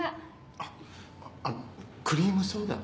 ああのクリームソーダ。